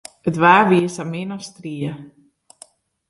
It waar wie sa min as strie.